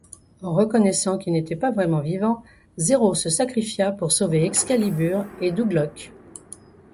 Reconnaissant qu'il n'était pas vraiment vivant, Zéro se sacrifia pour sauver Excalibur et Douglock.